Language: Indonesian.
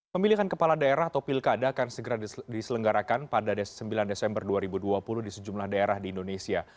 pemilihan kepala daerah atau pilkada akan segera diselenggarakan pada sembilan desember dua ribu dua puluh di sejumlah daerah di indonesia